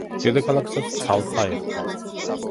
დედაქალაქსაც ცალფა ერქვა.